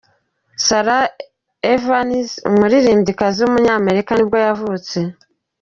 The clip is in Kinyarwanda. Sara Evans, umuririmbyikazi w’umunyamerika nibwo yavutse.